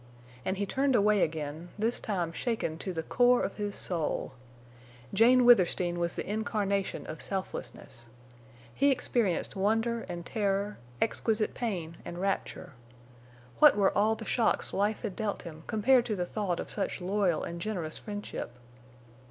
And he turned away again, this time shaken to the core of his soul. Jane Withersteen was the incarnation of selflessness. He experienced wonder and terror, exquisite pain and rapture. What were all the shocks life had dealt him compared to the thought of such loyal and generous friendship?